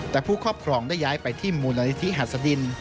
แต่ผู้ครอบครองได้ย้ายไปที่มูลนิธิหัสดิน